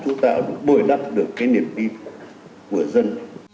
chúng ta bồi đắp được cái niềm tin của dân